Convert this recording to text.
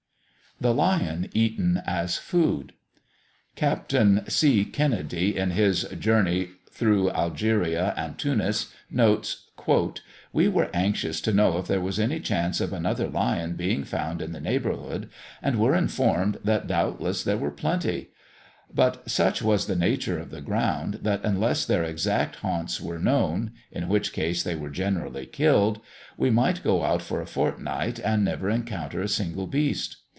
THE LION EATEN AS FOOD. Captain C. Kennedy, in his "Journey through Algeria and Tunis," notes: "We were anxious to know if there was any chance of another lion being found in the neighbourhood, and were informed that doubtless there were plenty; but such was the nature of the ground, that, unless their exact haunts were known (in which case they were generally killed), we might go out for a fortnight, and never encounter a single beast.